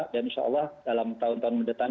dan insya allah dalam tahun tahun mendatang